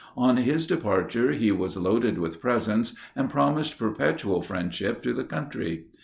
On his departure he was loaded with presents, and promised perpetual friendship to the country.